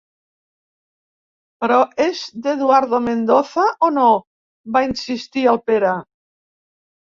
Però és d'Eduardo Mendoza o no? —va insistir el Pere.